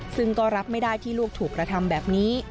ซึ่งก็รับไม่ได้ที่ลูกถูกกระทำแบบนี้